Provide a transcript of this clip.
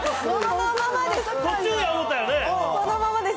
このままです。